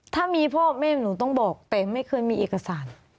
ถ้ามีพ่อแม่หนูต้องบอกแต่ไม่เคยมีเอกสาร